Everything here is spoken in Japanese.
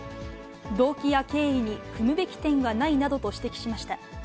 動機や経緯に酌むべき点はないなどと指摘しました。